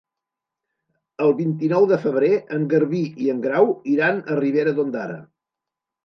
El vint-i-nou de febrer en Garbí i en Grau iran a Ribera d'Ondara.